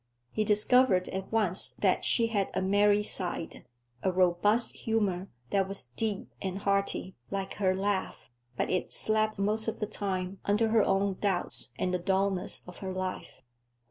He discovered at once that she had a merry side, a robust humor that was deep and hearty, like her laugh, but it slept most of the time under her own doubts and the dullness of her life.